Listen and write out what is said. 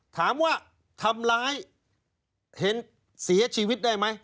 ถามว่าทำร้ายเห็นเสียชีวิตได้ไหม